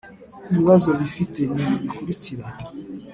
ibibazo bafite nibi bikurikira